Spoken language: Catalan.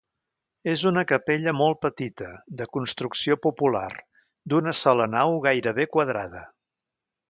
És una capella molt petita, de construcció popular, d'una sola nau gairebé quadrada.